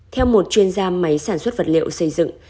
theo một chuyên gia máy sản xuất vật liệu xây dựng